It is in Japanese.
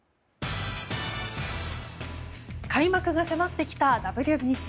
開幕が迫ってきたＷＢＣ。